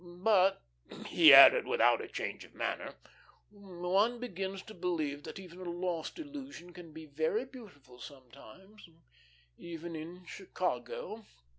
But," he added, without change of manner, "one begins to believe that even a lost illusion can be very beautiful sometimes even in Chicago."